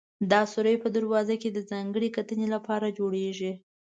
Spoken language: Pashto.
دا سورى په دروازه کې د ځانګړې کتنې لپاره جوړېږي.